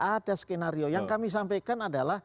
iya enggak ada skenario yang kami sampaikan adalah